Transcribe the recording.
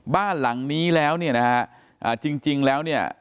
บ้านหลังนี้แล้วเนี่ยนะฮะอ่าจริงแล้วเนี่ย